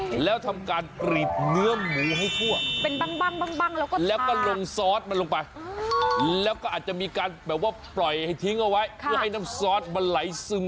หลับหนังออกมาแล้วใช่มัยล่ะ